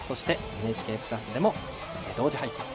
ＮＨＫプラスでも同時配信。